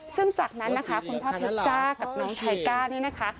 ซึ่งจากนั้นนะคะคุณพ่อเพชรจ้ากับน้องไทก้าเนี่ยนะคะ